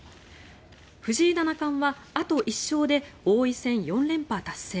藤井七冠はあと１勝で王位戦４連覇達成。